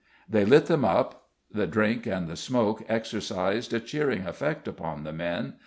They lit them up. The drink and the smoke exercised a cheering effect upon the men.